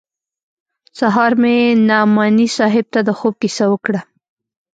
سهار مې نعماني صاحب ته د خوب کيسه وکړه.